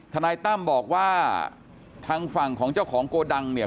นายตั้มบอกว่าทางฝั่งของเจ้าของโกดังเนี่ย